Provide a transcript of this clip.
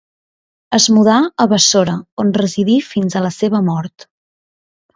Es mudà a Bàssora, on residí fins a la seva mort.